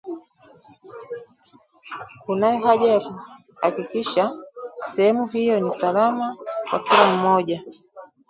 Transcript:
kunayo haja ya kuhakikisha sehemu hiyo ni salama kwa kila mmoja